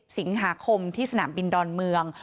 สิงหาคมที่สนามบินดอนเมือง